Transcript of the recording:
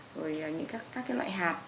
rồi các cái loại hạt